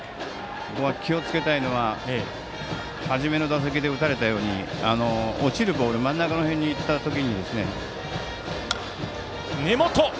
気をつけたいのははじめの打席で打たれたように落ちるボール真ん中らへんにいったとき。